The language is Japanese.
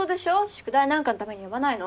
宿題なんかのために呼ばないの。